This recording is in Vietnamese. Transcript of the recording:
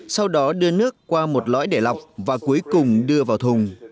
sau đó đưa nước qua một lõi để lọc và cuối cùng đưa vào thùng